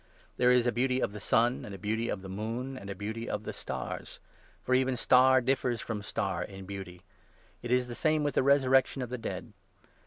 There is a beauty of the sun, and a beauty of the moon, and a beauty of the stars ; for even star differs from star in beauty. It is the same with the resurrection of the dead.